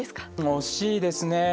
惜しいですね。